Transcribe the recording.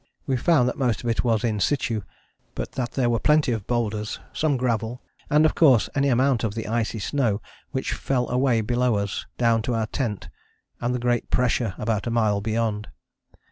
We found that most of it was in situ but that there were plenty of boulders, some gravel, and of course any amount of the icy snow which fell away below us down to our tent, and the great pressure about a mile beyond.